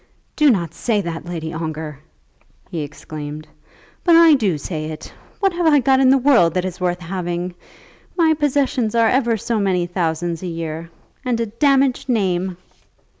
"Do not say that, Lady Ongar," he exclaimed. "But I do say it. What have I got in the world that is worth having? My possessions are ever so many thousands a year, and a damaged name."